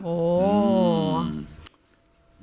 โอ้โห